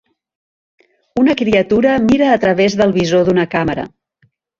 Una criatura mira a través del visor d'una càmera.